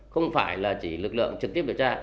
không phải chỉ lực lượng trực tiếp điều tra